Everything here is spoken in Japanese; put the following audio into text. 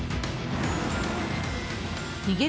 逃げる